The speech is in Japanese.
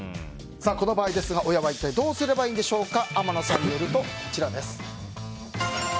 この場合ですが親は一体どうすればいいんでしょうか。